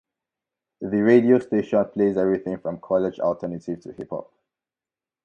The radio station plays everything from college alternative to hip hop.